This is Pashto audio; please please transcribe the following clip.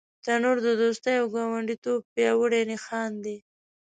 تنور د دوستۍ او ګاونډیتوب پیاوړی نښان دی